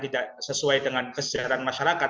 tidak sesuai dengan kesejahteraan masyarakat